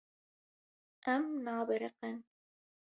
Em nabiriqin.